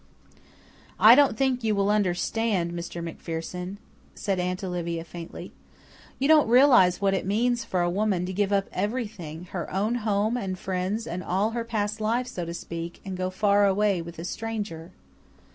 "I don't think you will understand, Mr. MacPherson," said Aunt Olivia, faintly. "You don't realize what it means for a woman to give up everything her own home and friends and all her past life, so to speak, and go far away with a stranger."